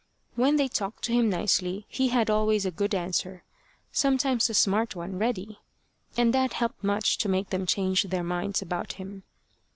When they talked to him nicely he had always a good answer, sometimes a smart one, ready, and that helped much to make them change their minds about him.